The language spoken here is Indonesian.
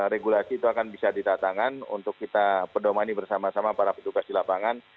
regulasi itu akan bisa ditatangan untuk kita pedomani bersama sama para petugas di lapangan